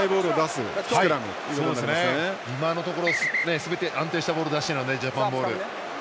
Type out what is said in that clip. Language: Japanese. ここはしっかり今のところすべて安定したボールを出しているのでジャパンボール。